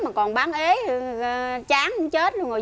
mà còn bán ế chán cũng chết luôn